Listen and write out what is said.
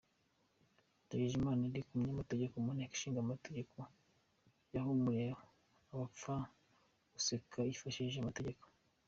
Ndagijimana Eric, Umunyamategeko mu Nteko Ishinga Amategeko, yahumurije Bapfaguseka yifashishije amategeko .